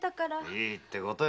いいってことよ。